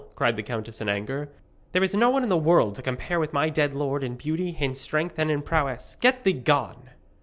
cried the countess in anger. 'There is no one in the world to compare with my dead lord in beauty, in strength, and in prowess. Get thee gone!'